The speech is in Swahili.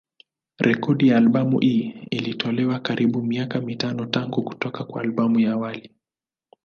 Rekodi ya albamu hii ilitolewa karibuni miaka mitano tangu kutoka kwa albamu ya awali.